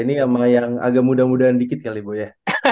ini sama yang agak muda mudaan dikit kali ya